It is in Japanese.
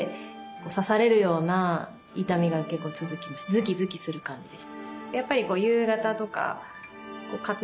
ズキズキする感じでした。